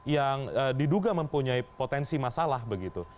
yang diduga mempunyai potensi masalah begitu